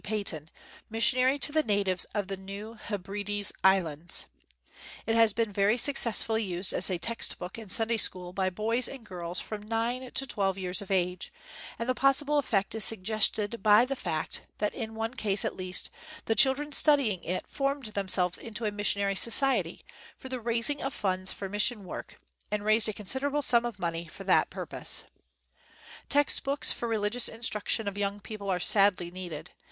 Paton, missionary to the natives of the New Heb rides Islands. It has been very success fully used as a text book in Sunday school by boys and girls from nine to twelve years of age, and the possible effect is suggested by the fact that, in one case at least, the chil dren studying it formed themselves into a missionary society, for the raising of funds for mission work, and raised a considerable sum of money for that purpose. Text books for religious instruction of young people are sadly needed.